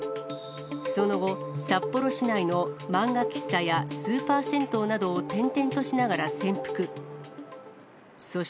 その後、札幌市内の漫画喫茶やスーパー銭湯などを転々としながら潜伏。